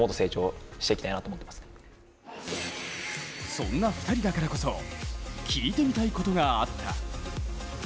そんな２人だからこそ聞いてみたいことがあった。